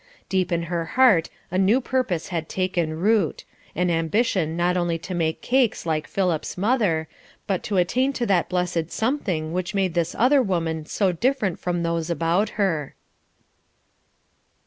Deep in her heart a new purpose had taken root; an ambition not only to make cakes like Philip's mother, but to attain to that blessed something which made this other woman so different from those about her.